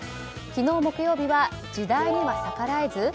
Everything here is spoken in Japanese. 昨日、木曜日は時代には逆らえず？